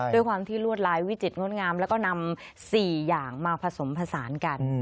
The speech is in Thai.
ด้วยความที่ลวดลายวิจิตรงดงามแล้วก็นำ๔อย่างมาผสมผสานกัน